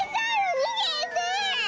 にげて！